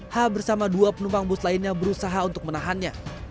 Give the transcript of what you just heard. h bersama dua penumpang bus lainnya berusaha untuk menahannya